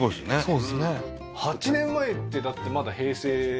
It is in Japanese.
そうですね